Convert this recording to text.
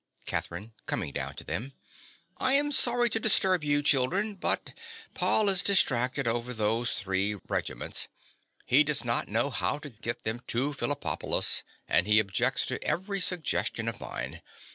_) CATHERINE. (coming down to them). I am sorry to disturb you, children; but Paul is distracted over those three regiments. He does not know how to get them to Phillipopolis; and he objects to every suggestion of mine.